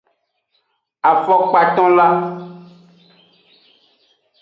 Afokpatonla.